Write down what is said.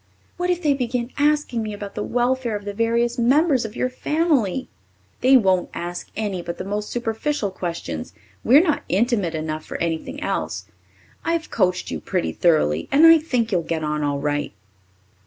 "What if they begin asking me about the welfare of the various members of your family?" "They won't ask any but the most superficial questions. We're not intimate enough for anything else. I've coached you pretty thoroughly, and I think you'll get on all right."